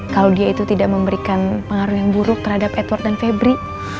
kalau dia itu tidak memberikan pengaruh yang buruk terhadap edward dan febri